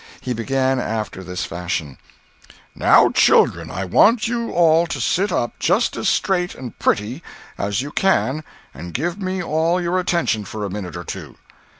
He began after this fashion: "Now, children, I want you all to sit up just as straight and pretty as you can and give me all your attention for a minute or two.